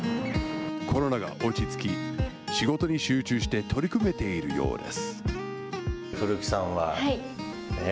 コロナが落ち着き、仕事に集中して取り組めているようです。